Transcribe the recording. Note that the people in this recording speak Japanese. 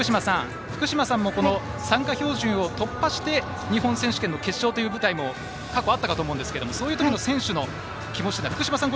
福島さんもこの参加標準を突破して日本選手権の決勝という舞台も過去あったかと思いますがそういうときの選手の気持ち福島さん